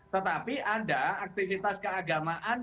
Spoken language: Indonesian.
tetapi ada aktivitas keagamaan